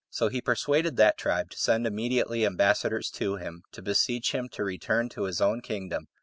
So he persuaded that tribe to send immediately ambassadors to him, to beseech him to return to his own kingdom.